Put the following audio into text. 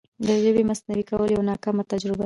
د ژبې مصنوعي کول یوه ناکامه تجربه ده.